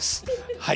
はい。